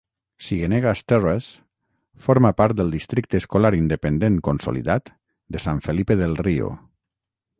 Cienegas Terrace forma part del districte escolar independent consolidat de San Felipe del Rio.